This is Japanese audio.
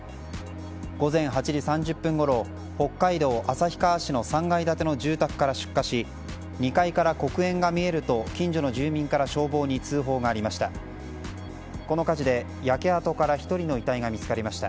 午前８時３０分ごろ北海道旭川市の３階建ての住宅から出火し２階から黒煙が見えると近所の住民から消防に通報がありました。